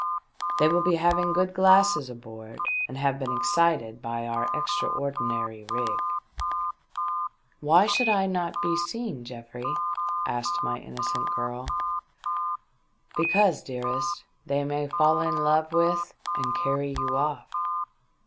They will be having good glasses aboard and have been excited by our extraordinar\ riof." JD< THE DEATH SHIP. " Why should I not be seen, GeoftVey r" asked my innocent girl, " Because, dearest, they may fall in love with and carry you off."